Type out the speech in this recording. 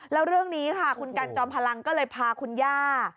แล้วเรื่องนี้ค่ะคุณกันจอมพลังก็เลยพาคุณย่า